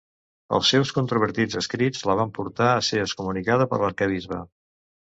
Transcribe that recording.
Els seus controvertits escrit la van portar a ser excomunicada per l'arquebisbe.